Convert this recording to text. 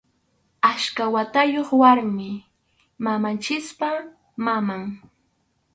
Achka watayuq warmi, mamanchikpa maman.